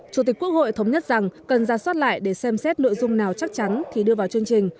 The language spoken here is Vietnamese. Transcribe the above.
chủ tịch quốc hội thống nhất rằng cần ra soát lại để xem xét nội dung nào chắc chắn thì đưa vào chương trình